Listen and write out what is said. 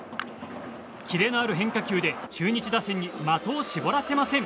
キレのある変化球で中日打線に的を絞らせません。